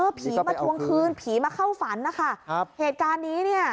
ผีมาทวงคืนผีมาเข้าฝันนะคะครับเหตุการณ์นี้เนี่ย